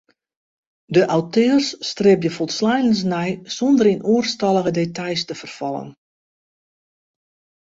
De auteurs stribje folsleinens nei sûnder yn oerstallige details te ferfallen.